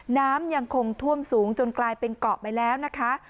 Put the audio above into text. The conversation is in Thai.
น้ำยังคงท่วมสูงจนกลายเป็นเกาะไปแล้วนะคะ